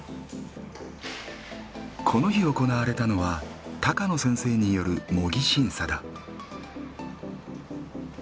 この日行われたのは高野先生による模擬審査だ。